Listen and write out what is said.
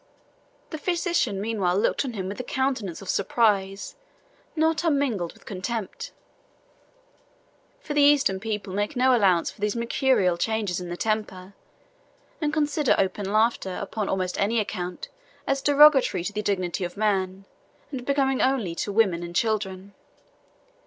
The physician meanwhile looked on him with a countenance of surprise, not unmingled with contempt; for the Eastern people make no allowance for these mercurial changes in the temper, and consider open laughter, upon almost any account, as derogatory to the dignity of man, and becoming only to women and children.